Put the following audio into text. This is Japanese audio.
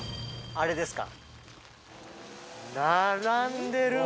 あれですか？